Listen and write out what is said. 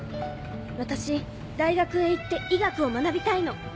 私大学へ行って医学を学びたいの。